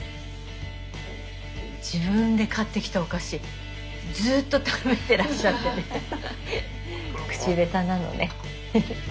自分で買ってきたお菓子ずっと食べてらっしゃって口べたなのねフフ。